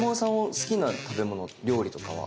好きな食べ物料理とかは？